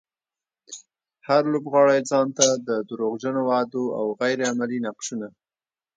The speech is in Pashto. هر لوبغاړی ځانته د دروغجنو وعدو او غير عملي نقشونه.